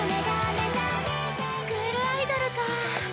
スクールアイドルかあ。